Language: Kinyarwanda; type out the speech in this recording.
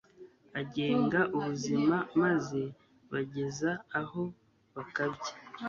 agenga ubuzima maze bageza aho bakabya